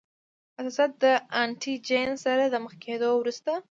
حساسیت د انټي جېن سره د مخ کیدو وروسته.